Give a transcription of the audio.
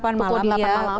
pukul delapan malam